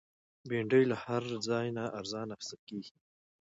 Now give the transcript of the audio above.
بېنډۍ له هر ځای نه ارزانه اخیستل کېږي